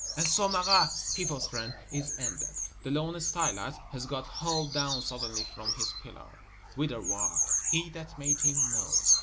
And so Marat, People's friend, is ended; the lone Stylites has got hurled down suddenly from his pillar whitherward He that made him knows.